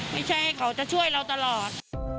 ไม่ใช่เขาจะช่วยเราตลอด